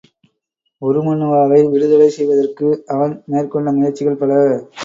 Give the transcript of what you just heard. உருமண்ணுவாவை விடுதலை செய்வதற்கு அவன் மேற்கொண்ட முயற்சிகள் பல.